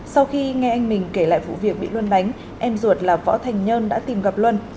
sau khi nghe anh mình kể lại vụ việc bị luân đánh em ruột là võ thành nhân đã tìm gặp luân